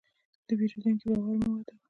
د پیرودونکي باور مه ماتوه.